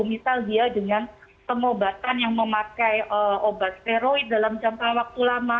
misal dia dengan pengobatan yang memakai obat steroid dalam jangka waktu lama